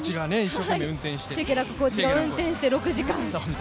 シェケラックコーチが運転して。